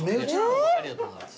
ありがとうございます。